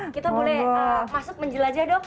kita boleh masuk menjelajah dok